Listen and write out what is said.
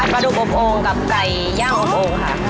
ดูอบโอ่งกับไก่ย่างอบโอ่งค่ะ